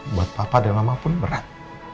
buat papa dan mama pun berat